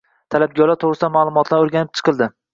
talabgorlar to‘g‘risidagi ma’lumotlarni o‘rganib chiqildi.